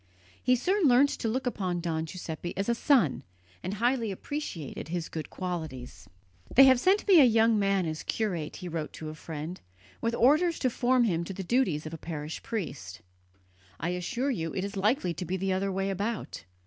He soon learnt to look upon Don Giuseppe as a son, and highly appreciated his good qualities. "They have sent me a young man as curate," he wrote to a friend, "with orders to form him to the duties of a parish priest. I assure you it is likely to be the other way about.